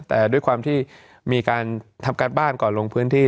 แต่ด้วยความที่มีการทำการบ้านก่อนลงพื้นที่